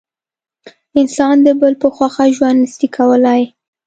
انسان د بل په خوښه ژوند نسي کولای.